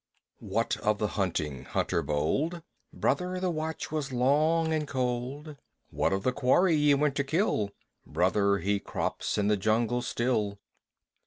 What of the hunting, hunter bold? Brother, the watch was long and cold. What of the quarry ye went to kill? Brother, he crops in the jungle still.